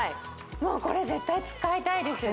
もうこれ絶対使いたいですよね